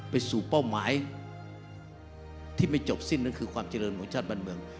ไปสู่เป้าหมายที่ไม่จบสิ้นนั่นคือความเจริญของชาติบ้านเมือง